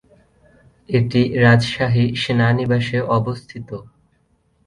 এটি রাজশাহী সেনানিবাসে অবস্থিত।